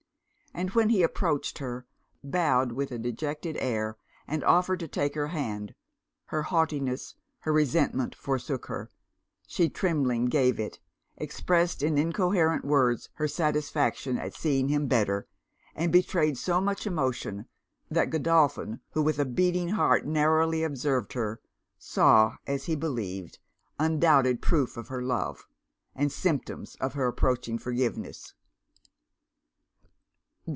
And when he approached her, bowed with a dejected air, and offered to take her hand her haughtiness, her resentment forsook her she trembling gave it, expressed in incoherent words her satisfaction at seeing him better, and betrayed so much emotion, that Godolphin, who with a beating heart narrowly observed her, saw, as he believed, undoubted proof of her love; and symptoms of her approaching forgiveness.